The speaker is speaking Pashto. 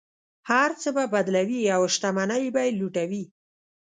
هر څه به بدلوي او شتمنۍ به یې لوټوي.